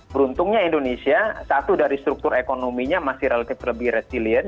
beruntungnya indonesia satu dari struktur ekonominya masih relatif lebih resilient